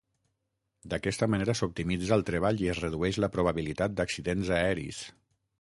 D'aquesta manera s'optimitza el treball i es redueix la probabilitat d'accidents aeris.